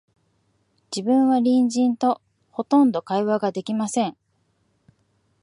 自分は隣人と、ほとんど会話が出来ません